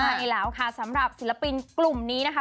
ใช่แล้วค่ะสำหรับศิลปินกลุ่มนี้นะคะ